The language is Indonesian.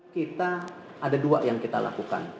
kita ada dua yang kita lakukan